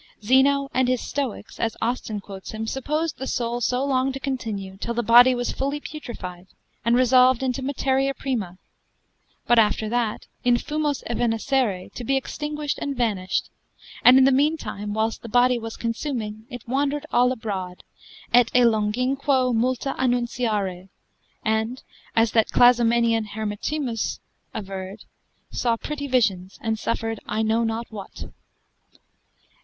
Zeno and his Stoics, as Austin quotes him, supposed the soul so long to continue, till the body was fully putrified, and resolved into materia prima: but after that, in fumos evanescere, to be extinguished and vanished; and in the meantime, whilst the body was consuming, it wandered all abroad, et e longinquo multa annunciare, and (as that Clazomenian Hermotimus averred) saw pretty visions, and suffered I know not what.